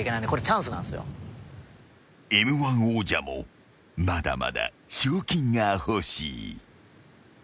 ［Ｍ−１王者もまだまだ賞金が欲しい］